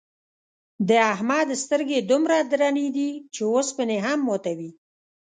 د احمد سترگې دومره درنې دي، چې اوسپنې هم ماتوي.